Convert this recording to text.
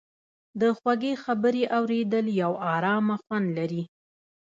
د خوږې خبرې اورېدل یو ارامه خوند لري.